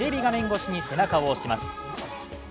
越しに背中を押します。